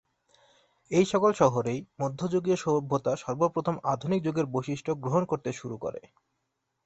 এই সকল শহরেই মধ্যযুগীয় সভ্যতা সর্বপ্রথম আধুনিক যুগের বৈশিষ্ট্য গ্রহণ করতে শুরু করে।